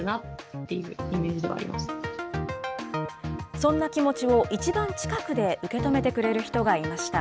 そんな気持ちを一番近くで受け止めてくれる人がいました。